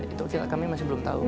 itu kami masih belum tahu